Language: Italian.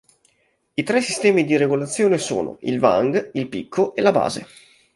I tre sistemi di regolazione sono: il vang, il picco e la base.